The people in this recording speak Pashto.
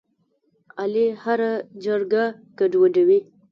علي هره جرګه ګډوډوي.